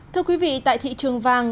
thưa quý vị tại thị trường vàng